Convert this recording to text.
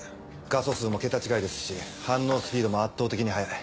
画素数も桁違いですし反応スピードも圧倒的に速い。